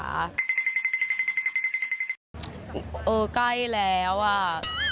เออใกล้แล้วอ่ะ